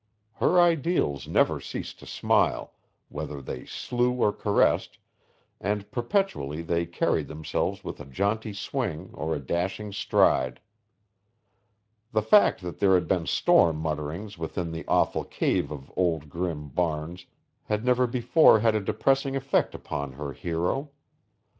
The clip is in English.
Her ideals never ceased to smile, whether they slew or caressed, and perpetually they carried themselves with a jaunty swing or a dashing stride. The fact that there had been storm mutterings within the awful cave of Old Grim Barnes had never before had a depressing effect upon her hero.